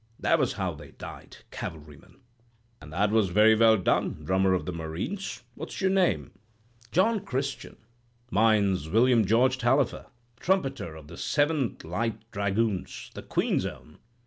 That was how they died, cavalryman.' "'And that was very well done, drummer of the Marines. What's your name?' "'John Christian.' "'Mine's William George Tallifer, trumpeter, of the Seventh Light Dragoons—the Queen's Own.